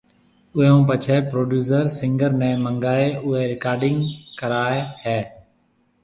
اوئي ھونپڇي پروڊيوسر سنگر ني منگائي اوئي رڪارڊنگ ڪرائي ھيَََ